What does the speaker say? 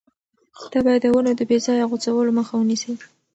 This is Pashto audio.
ته باید د ونو د بې ځایه غوڅولو مخه ونیسې.